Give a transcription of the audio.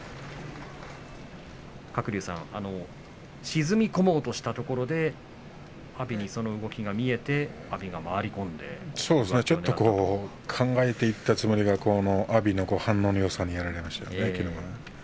鶴竜さん、沈み込もうとしたところで阿炎にその動きが見えてちょっと考えていったつもりが阿炎の反応のよさにやられましたよね、きのうは。